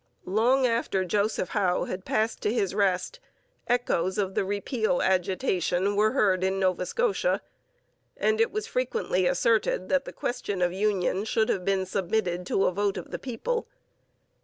Long after Joseph Howe had passed to his rest, echoes of the repeal agitation were heard in Nova Scotia; and it was frequently asserted that the question of union should have been submitted to a vote of the people.